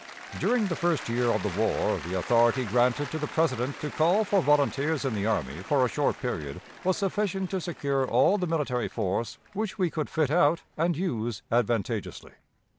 During the first year of the war the authority granted to the President to call for volunteers in the army for a short period was sufficient to secure all the military force which we could fit out and use advantageously.